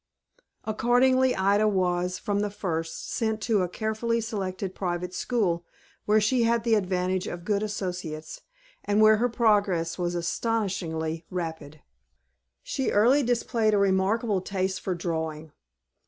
Accordingly Ida was, from the first, sent to a carefully selected private school, where she had the advantage of good associates, and where her progress was astonishingly rapid. She early displayed a remarkable taste for drawing.